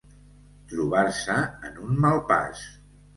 Trobar-se en un mal pas.